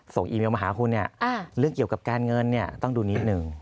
อีเมลมาหาคุณเนี่ยเรื่องเกี่ยวกับการเงินเนี่ยต้องดูนิดนึง